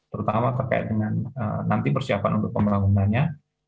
terutama terkait dengan nanti persiapan untuk pembangunannya